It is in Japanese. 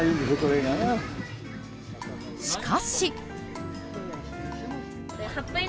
しかし。